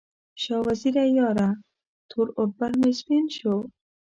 شاه وزیره یاره، تور اوربل مې سپین شو